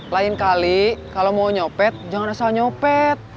lain kali kalau mau nyopet jangan asal nyopet